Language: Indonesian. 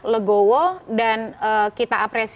legowo dan kita apresiasi memutuskan merevisi